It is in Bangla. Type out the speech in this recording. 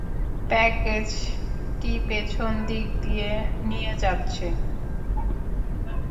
প্যাকেজটি পিছন দিক দিয়ে নিয়ে যাচ্ছে।